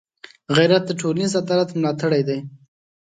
غیرت د ټولنيز عدالت ملاتړی دی